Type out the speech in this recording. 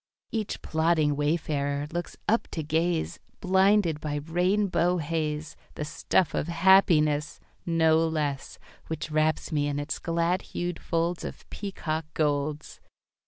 Each plodding wayfarer looks up to gaze, Blinded by rainbow haze, The stuff of happiness, No less, Which wraps me in its glad hued folds Of peacock golds.